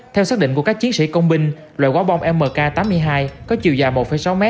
theo xác định của các chiến sĩ công binh loại quả bom mk tám mươi hai có chiều dài một sáu m